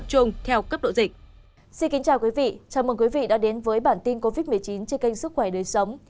chào mừng quý vị đã đến với bản tin covid một mươi chín trên kênh sức khỏe đời sống